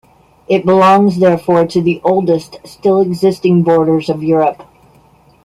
It belongs therefore to the oldest still existing borders of Europe.